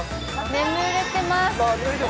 眠れてます。